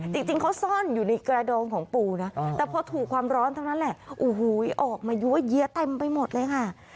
จริงเขาซ่อนอยู่ในกระดองของปูนะแต่พอถูกความร้อนเท่านั้นแหละโอ้โหออกมายั้วเยื้อเต็มไปหมดเลยค่ะ